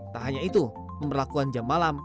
tak hanya itu pemberlakuan jam malam